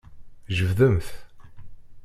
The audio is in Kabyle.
Jebdemt.